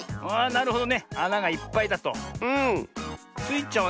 なるほど。